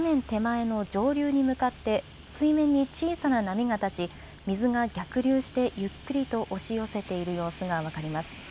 手前の上流に向かって水面に小さな波が立ち、水が逆流してゆっくりと押し寄せている様子が分かります。